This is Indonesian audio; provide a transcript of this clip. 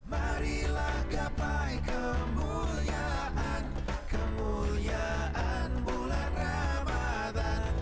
marilah gapai kemuliaan kemuliaan bulan ramadhan